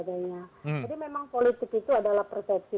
jadi memang politik itu adalah persepsi